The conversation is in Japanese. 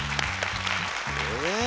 え？